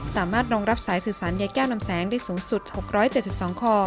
สามารถรองรับสายสื่อสารยายแก้วนำแสงได้สูงสุด๖๗๒คอ